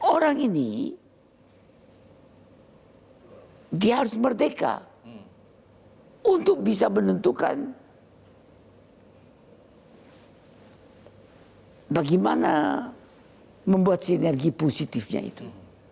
orang ini dia harus merdeka untuk bisa menentukan bagaimana membuat sinergi positifnya itu